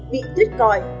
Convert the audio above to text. bị tuyết còi